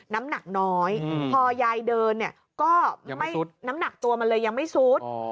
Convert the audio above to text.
น้ำหนักน้อยพอยายเดินเนี่ยก็ไม่น้ำหนักตัวมันเลยยังไม่ซุด